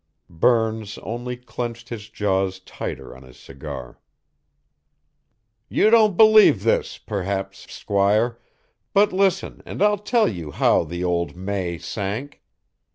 Burns only clenched his jaws tighter on his cigar. "You don't believe this, perhaps, squire, but listen and I'll tell you how the old May sank."